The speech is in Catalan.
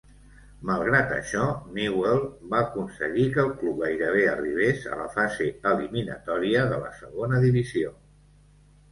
Malgrat això, Newell va aconseguir que el club gairebé arribés a la fase eliminatòria de la Segona Divisió.